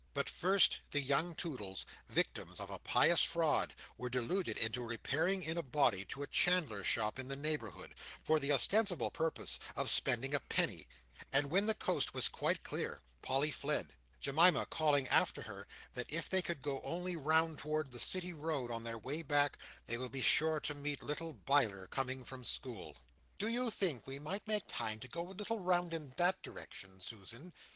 But first the young Toodles, victims of a pious fraud, were deluded into repairing in a body to a chandler's shop in the neighbourhood, for the ostensible purpose of spending a penny; and when the coast was quite clear, Polly fled: Jemima calling after her that if they could only go round towards the City Road on their way back, they would be sure to meet little Biler coming from school. "Do you think that we might make time to go a little round in that direction, Susan?"